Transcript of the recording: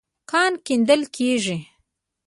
کان کيندل کېږي.